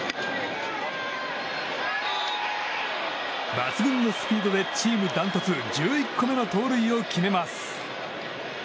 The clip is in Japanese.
抜群のスピードでチームダントツ、１１個目の盗塁を決めます。